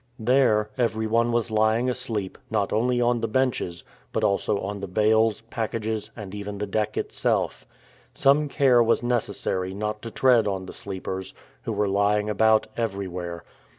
There, everyone was lying asleep, not only on the benches, but also on the bales, packages, and even the deck itself. Some care was necessary not to tread on the sleepers, who were lying about everywhere.